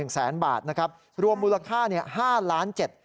แสนบาทนะครับรวมมูลค่า๕ล้านเจ็ด